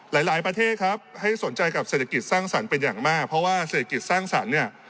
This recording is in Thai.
หลายประเทศครับให้สนใจกับเศรษฐกิจสร้างสรรค์เป็นอย่างมากเพราะว่าเศรษฐกิจสร้างสรรค์เนี่ย